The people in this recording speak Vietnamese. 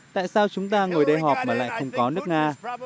tại sao chúng ta ngồi đây họp mà lại không có nước nga